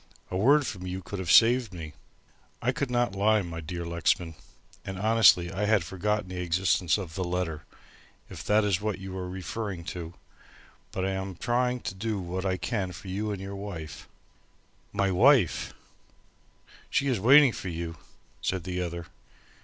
"A word from you could have saved me." "I could not lie, my dear Lexman. And honestly, I had forgotten the existence of the letter; if that is what you are referring to, but I am trying to do what I can for you and for your wife." "My wife!" "She is waiting for you," said the other.